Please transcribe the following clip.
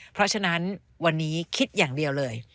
เพราะฉะนั้นวันนี้คิดอย่างเดียวเลย